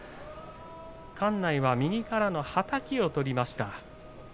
館内は右からのはたきをとりました。